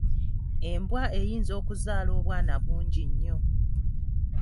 Embwa eyinza okuzaala obwana bungi nnyo.